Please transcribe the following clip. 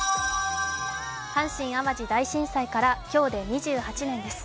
阪神・淡路大震災から今日で２８年です。